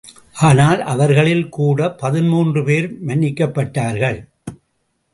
ஆனால் அவர்களில் கூட பதின்மூன்று பேர் மன்னிக்கப்பட்டார்கள்.